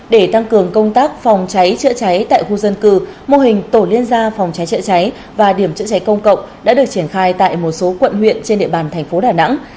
để tăng cường công tác phòng cháy chữa cháy tại khu dân cư mô hình tổ liên gia phòng cháy chữa cháy và điểm chữa cháy công cộng đã được triển khai tại một số quận huyện trên địa bàn thành phố đà nẵng